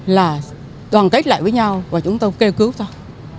là đoàn kết lại với nhau và chúng tôi kêu cứu thôi